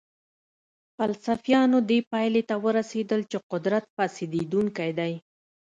فلسفیانو دې پایلې ته ورسېدل چې قدرت فاسدونکی دی.